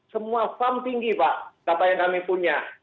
semua farm tinggi pak data yang kami punya